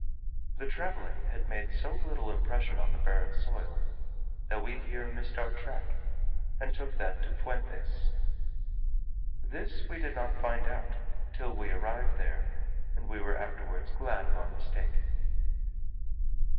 The travelling had made so little impression on the barren soil, that we here missed our track, and took that to Fuentes. This we did not find out till we arrived there; and we were afterwards glad of our mistake.